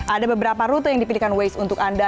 ada beberapa rute yang dipilihkan waze untuk anda